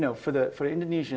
untuk orang indonesia